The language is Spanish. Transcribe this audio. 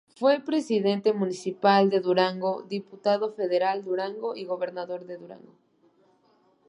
Fue Presidente Municipal de Durango, Diputado Federal Durango y Gobernador de Durango.